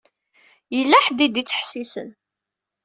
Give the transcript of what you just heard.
Yella ḥedd i d-ittḥessisen.